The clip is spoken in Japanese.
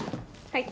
はい。